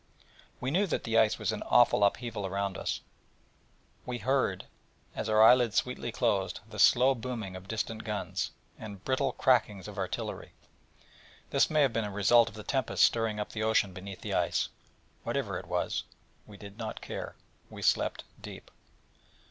We knew that the ice was in awful upheaval around us; we heard, as our eyelids sweetly closed, the slow booming of distant guns, and brittle cracklings of artillery. This may have been a result of the tempest stirring up the ocean beneath the ice. Whatever it was, we did not care: we slept deep.